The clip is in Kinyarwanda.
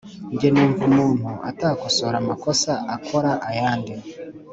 Nge numva umuntu atakosora amakosa akora ayandi.